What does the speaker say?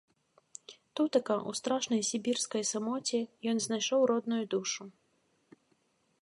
Тутака, у страшнай сібірскай самоце, ён знайшоў родную душу.